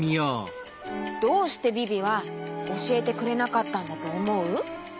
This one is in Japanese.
どうしてビビはおしえてくれなかったんだとおもう？